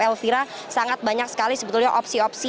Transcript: elvira sangat banyak sekali sebetulnya opsi opsi